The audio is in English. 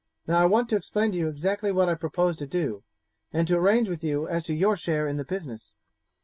Now I want to explain to you exactly what I propose to do, and to arrange with you as to your share in the business."